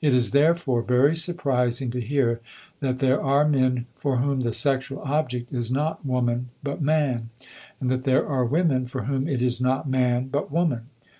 It is therefore very surprising to hear that there are men for whom the sexual object is not woman but man, and that there are women for whom it is not man but woman.